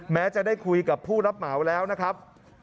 แม้จะได้คุยกับผู้รับเหมาแล้วนะครับ